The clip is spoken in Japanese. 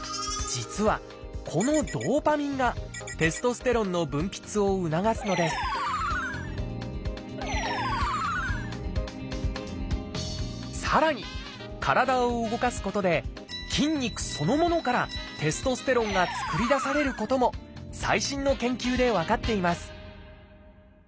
実はこのドーパミンがテストステロンの分泌を促すのですさらに体を動かすことで筋肉そのものからテストステロンが作り出されることも最新の研究で分かっています